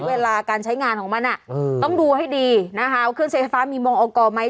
เวลาการใช้งานของมันต้องดูให้ดีนะคะว่าเครื่องไฟฟ้ามีมงอกรไหม